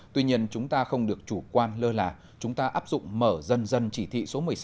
tuy nhiên chúng ta không được chủ quan lơ là chúng ta áp dụng mở dân dân chỉ thị số một mươi sáu